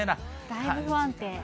だいぶ不安定。